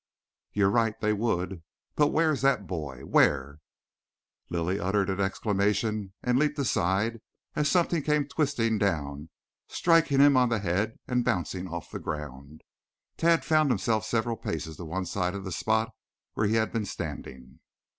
"You're right they would. But where is that boy. Where " Lilly uttered an exclamation and leaped aside as something came twisting down, striking him on the head and bouncing off on the ground. Tad found himself several paces to one side of the spot where he had been standing.